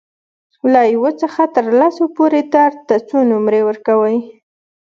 له یو څخه تر لسو پورې درد ته څو نمرې ورکوئ؟